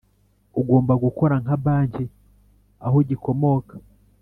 Ugomba gukora nka banki aho gikomoka